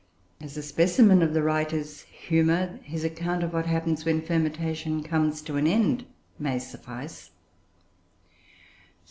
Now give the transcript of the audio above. As a specimen of the writer's humour, his account of what happens when fermentation comes to an end may suffice.